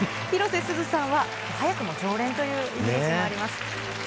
広瀬すずさんは早くも常連というイメージもあります。